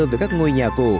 về các ngôi nhà cổ